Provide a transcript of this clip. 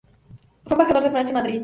Fue embajador de Francia en Madrid.